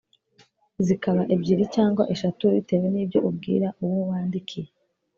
zikaba ebyiri cyangwa eshatu bitewe n’ibyo ubwira uwo wandikiye